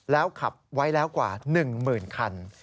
แล้วขับไว้แล้วกว่า๑๐๐๐คัน